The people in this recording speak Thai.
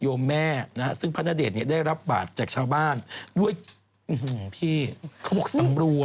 ยวมแม่ซึ่งพระณเดชน์ได้รับบาทจากชาวบ้านโอ้โหพี่ขบกสำรวม